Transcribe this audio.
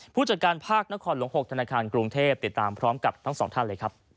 ผู้จัดการภาคนครหลวง๖ธนาคารกรุงเทพติดตามพร้อมกับทั้งสองท่านเลยครับ